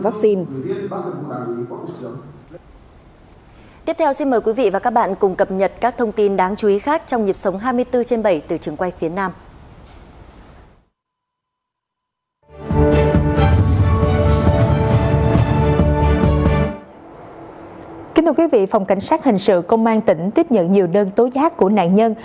kính thưa quý vị phòng cảnh sát hình sự công an tỉnh tiếp nhận nhiều đơn tố giác của nạn nhân